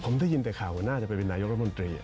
ผมได้ยินแต่ข่าวน่าจะไปเป็นนายกรัฐมนตรี